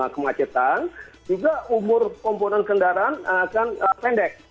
kemacetan juga umur komponen kendaraan akan pendek